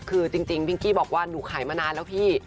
คือจริงพิงกี้บอกว่าหนูขายมานานแล้วพี่